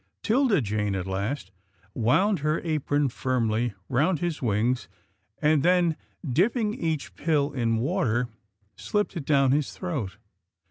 'Tilda Jane at last wound her apron firmly round his wings, and then, dipping each pill in water, slipped it down his throat.